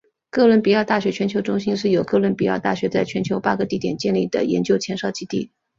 哥伦比亚大学全球中心是由哥伦比亚大学在全球八个地点建立的研究前哨基地。